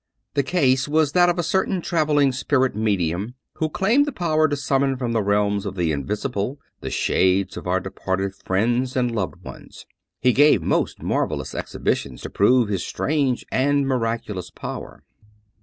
The case was that of a certain traveling spirit medium, who claimed the power to summon from the realms of the invisible the shades of our departed friends and loved ones. He gave most mar velous exhibitions to prove his strange and miraculous power.